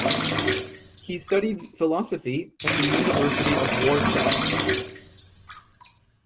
He studied philosophy at the University of Warsaw.